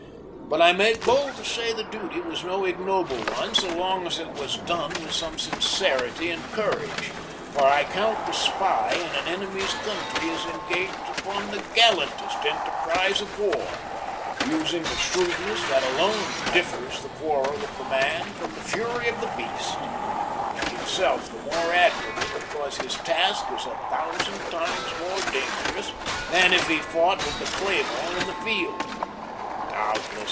But I make bold to say the duty was no ignoble one so long as it was done with some sincerity and courage, for I count the spy in an enemy's country is engaged upon the gallantest enterprise of war, using the shrewdness that alone differs the quarrel of the man from the fury of the beast, and himself the more admirable, because his task is a thousand times more dangerous than if he fought with the claymore in the field." "Doubtless!